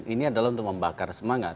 ini adalah untuk membakar semangat